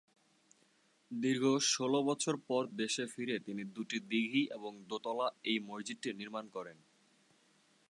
দীর্ঘ ষোল বছর পর দেশে ফিরে তিনি দু’টি দীঘি এবং দোতলা এই মসজিদটি নির্মাণ করেন।